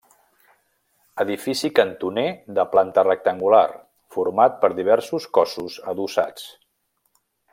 Edifici cantoner de planta rectangular, format per diversos cossos adossats.